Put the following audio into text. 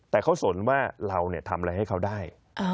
แต่เขาสนว่าเราทำอะไรให้เขาได้